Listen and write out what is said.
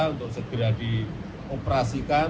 untuk segera dioperasikan